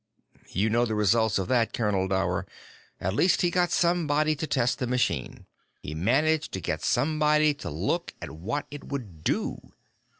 "You know the results of that, Colonel Dower. At least he got somebody to test the machine. He managed to get somebody to look at what it would do.